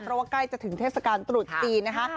เพราะว่าใกล้จะถึงเทศกาลตรุษจีนนะคะ